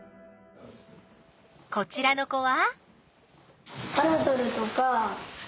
こちらの子は？